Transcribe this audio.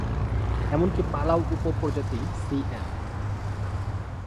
এমনকি পালাউ উপ-প্রজাতি C N.